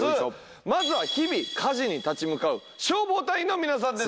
まずは日々火事に立ち向かう消防隊員の皆さんです。